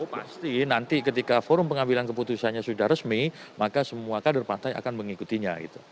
pasti nanti ketika forum pengambilan keputusannya sudah resmi maka semua kader pantai akan mengikutinya